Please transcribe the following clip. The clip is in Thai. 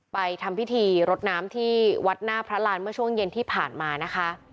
ทำพิธีรดน้ำที่วัดหน้าพระรานเมื่อช่วงเย็นที่ผ่านมานะคะ